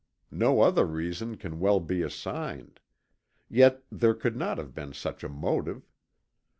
No other reason can well be assigned; yet there could not have been such a motive.